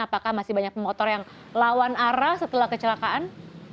apakah masih banyak pemotor yang lawan arah setelah kecelakaan